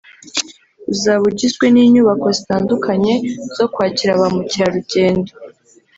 uzaba ugizwe n’inyubako zitandukanye zo kwakira ba mukerarugendo